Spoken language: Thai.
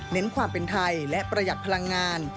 ความเป็นไทยและประหยัดพลังงาน